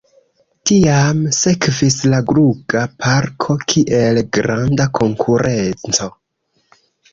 Tiam sekvis la Gruga-Parko kiel granda konkurenco.